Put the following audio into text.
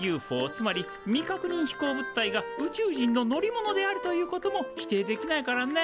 つまり未確認飛行物体が宇宙人の乗り物であるということも否定できないからね。